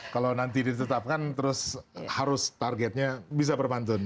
kalau nanti ditetapkan terus harus targetnya bisa berpantun